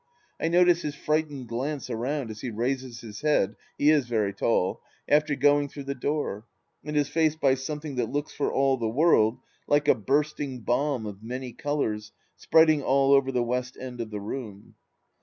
I notice his frightened glance around as he raises his head — he is very tall — after going through the door, and is faced by something that looks for all the world like a bursting bomb of many colours spreading all over the west end of the room.